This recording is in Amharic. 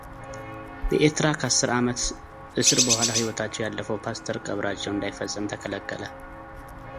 በኤርትራ ከ አስር ዓመት እስር በኋላ ሕይወታቸው ያለፈው ፓስተር ቀብራቸው እንዳይፈጸም ተከለከለ